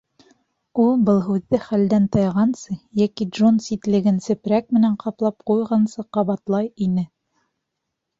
Ул был һүҙҙе хәлдән тайғансы йәки Джон ситлеген сепрәк менән ҡаплап ҡуйғансы ҡабатлай ине.